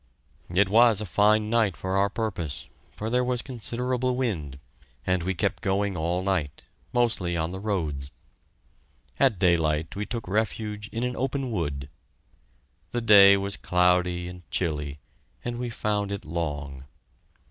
It was a fine night for our purpose, for there was considerable wind, and we kept going all night, mostly on the roads. At daylight we took refuge in an open wood. The day was cloudy and chilly, and we found it long.